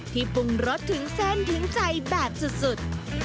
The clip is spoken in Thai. ปรุงรสถึงเส้นถึงใจแบบสุด